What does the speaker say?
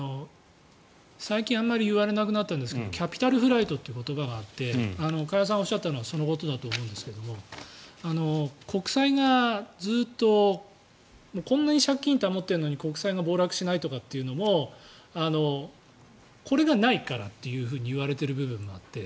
最近あまり言われなくなったんですがキャピタルフライトという言葉があって加谷さんがおっしゃったのはそのことだと思うんですが国債がずっとこんなに借金たまっているのに国債が暴落しないとかっていうのもこれがないからというふうに言われている部分もあって。